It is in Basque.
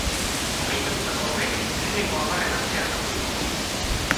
Aipatutako hauek lehenengo hamarren artean daude.